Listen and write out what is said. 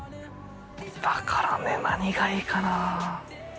だからね何がいいかなぁ。